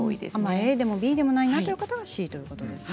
ＡでもＢでもない方はＣということですね。